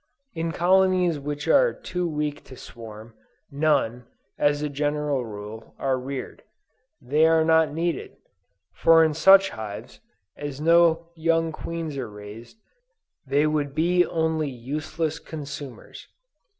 In colonies which are too weak to swarm, none, as a general rule, are reared: they are not needed, for in such hives, as no young queens are raised, they would be only useless consumers.